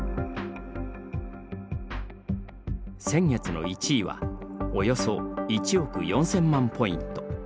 先月の１位はおよそ１億４０００万ポイント。